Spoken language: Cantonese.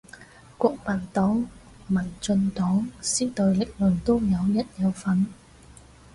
國民黨民進黨時代力量都有人有份